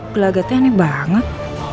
gelagatnya aneh banget